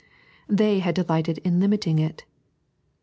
They had delighted in limiting it.